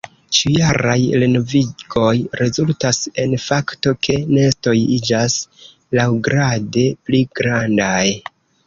Ĉiujaraj renovigoj rezultas en fakto ke nestoj iĝas laŭgrade pli grandaj.